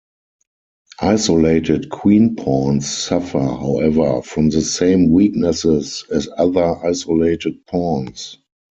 Isolated queen pawns suffer, however, from the same weaknesses as other isolated pawns.